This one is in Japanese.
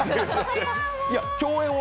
共演は？